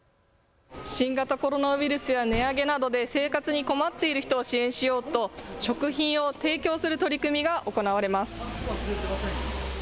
新型コロナウイルスや値上げなどで生活に困っている人を支援しようと食品を提供する取り組みが行われます。